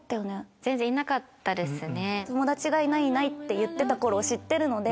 全然いなかったですね。